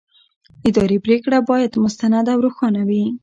اداري پرېکړه باید مستنده او روښانه وي.